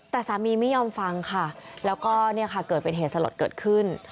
แต่สามีไม่ยอมฟังค่ะแล้วก็เนี่ยค่ะเกิดเป็นเหตุสลดเกิดขึ้น